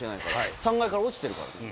３階から落ちてるから。